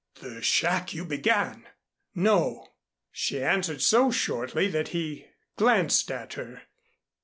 "The shack you began " "No." She answered so shortly that he glanced at her.